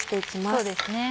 そうですね。